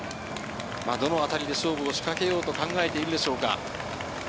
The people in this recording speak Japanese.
どのあたりで勝負を仕掛けようと考えているでしょうか。